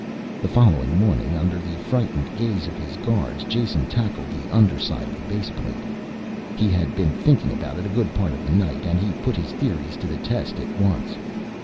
The following morning, under the frightened gaze of his guards, Jason tackled the underside of the baseplate. He had been thinking about it a good part of the night and he put his theories to the test at once.